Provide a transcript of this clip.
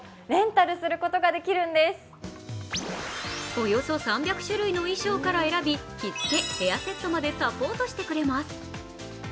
およそ３００種類の衣装から選び、着付けヘアセットまでサポートしてくれます。